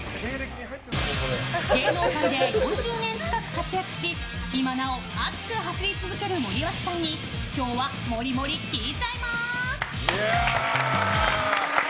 芸能界で４０年近く活躍し今なお熱く走り続ける森脇さんに今日は、モリモリ聞いちゃいます。